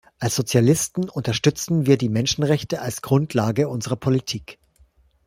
Als Sozialisten unterstützen wir die Menschenrechte als Grundlage unserer Politik.